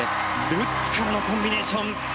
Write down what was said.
ルッツからのコンビネーション。